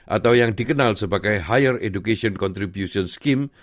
atau yang dikenal sebagai higher education contribution scheme